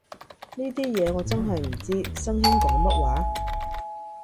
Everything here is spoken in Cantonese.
呢啲嘢我真係唔知，新興講乜話